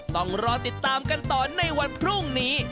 ต้องรอติดตามกันต่อในวันพรุ่งนี้